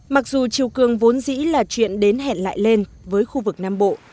mặc dù chiều cường vốn dĩ là chuyện đến hẹn lại lên với khu vực nam bộ